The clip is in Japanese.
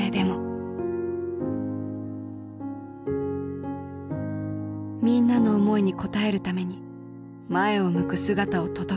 みんなの思いに応えるために前を向く姿を届けたい。